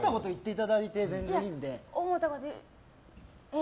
え？